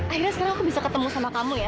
akhirnya sekarang aku bisa ketemu sama kamu ya